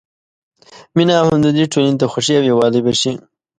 مینه او همدردي ټولنې ته خوښي او یووالی بښي.